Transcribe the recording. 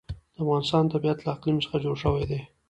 د افغانستان طبیعت له اقلیم څخه جوړ شوی دی.